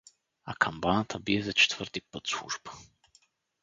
А камбаната бие за четвърти път служба.